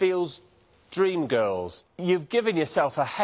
はい。